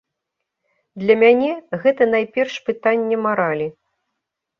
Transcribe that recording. Для мяне гэта найперш пытанне маралі.